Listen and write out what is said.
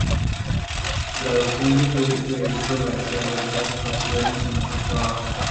Sus traducciones de Federico García Lorca se consideran su mejor trabajo.